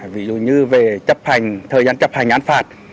ví dụ như về thời gian chấp hành án phạt